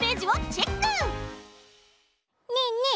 ねえねえ